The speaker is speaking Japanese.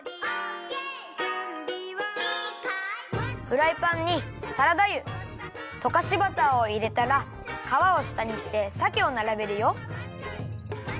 フライパンにサラダ油とかしバターをいれたらかわをしたにしてさけをならべるよ。